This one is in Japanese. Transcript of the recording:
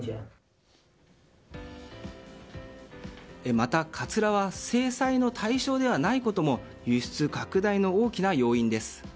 またかつらは制裁対象ではないことも輸出拡大の大きな要因です。